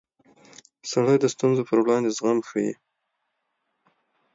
سړی د ستونزو پر وړاندې زغم ښيي